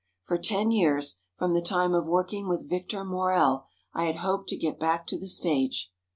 For ten years—from the time of working with Victor Maurel, I had hoped to get back to the stage."